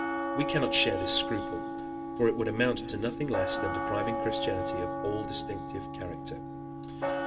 We cannot share this scruple; for it would amount to nothing less than depriving Christianity of all distinctive character."